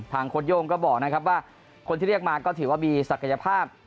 โค้ดโย่งก็บอกนะครับว่าคนที่เรียกมาก็ถือว่ามีศักยภาพ